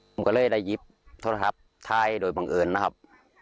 ผมก็เลยได้ยิบท่าให้โดยบังเอิญนะครับ